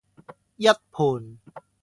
一盆